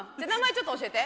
ちょっと教えて。